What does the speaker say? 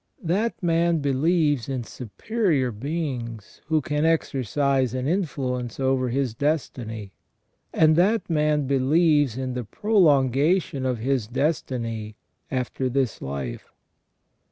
That man believes in superior beings who can exercise an influence over his destiny. And that man believes in the prolongation of his destiny after this life.